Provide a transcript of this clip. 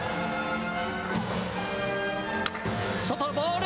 外、ボール。